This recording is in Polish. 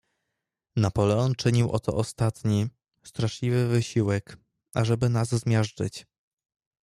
"Napoleon czynił oto ostatni, straszliwy wysiłek, ażeby nas zmiażdżyć."